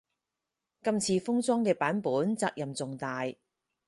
今次封裝嘅版本責任重大